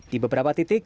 di beberapa titik